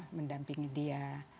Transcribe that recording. harus mendampingi dia